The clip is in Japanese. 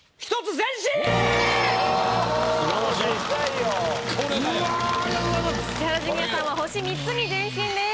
千原ジュニアさんは星３つに前進です。